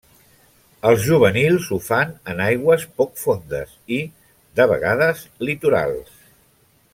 Els juvenils ho fan en aigües poc fondes i, de vegades, litorals.